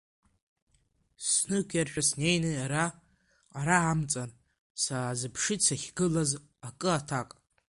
Снықәиарашәа снеины ара, ара амҵан, саазыԥшит сахьгылаз акы аҭак.